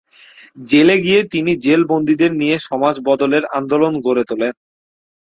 জেলে গিয়ে তিনি জেল বন্দীদের নিয়ে সমাজ বদলের আন্দোলন গড়ে তোলেন।